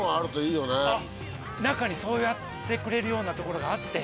中にそうやってくれるような所があって。